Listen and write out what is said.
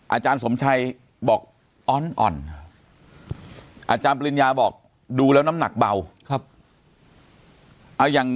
อาจารย์สมชัยบอกอ่อนอาจารย์ปริญญาบอกดูแล้วน้ำหนักเบา